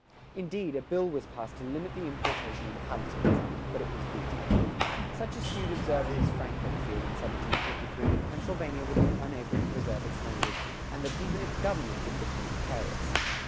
Indeed, a bill was passed to limit the importation of the Palatines, but it was vetoed.[109:3] Such astute observers as Franklin feared in 1753 that Pennsylvania would be unable to preserve its language and that even its government would become precarious.